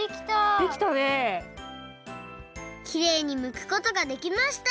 きれいにむくことができました！